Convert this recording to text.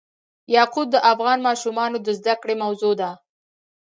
یاقوت د افغان ماشومانو د زده کړې موضوع ده.